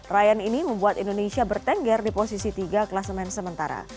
rayan ini membuat indonesia bertengger di posisi tiga kelas main sementara